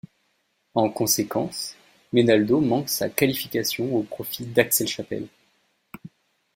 En conséquence, Menaldo manque sa qualification au profit d'Axel Chapelle.